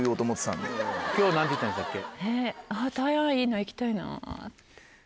今日何て言ったんでしたっけ？